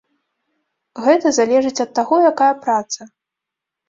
Гэта залежыць ад таго, якая праца.